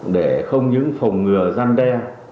để không những phòng ngừa gian đe